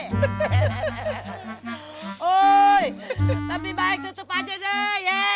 oh lebih baik tutup aja deh ya